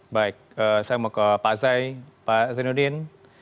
baik saya mau ke pak zainuddin